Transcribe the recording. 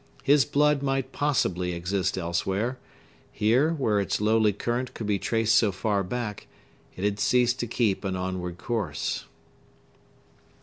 His blood might possibly exist elsewhere; here, where its lowly current could be traced so far back, it had ceased to keep an onward course.